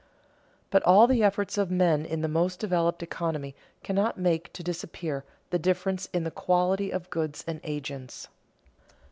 But all the efforts of men in the most developed economy cannot make to disappear the differences in the quality of goods and agents.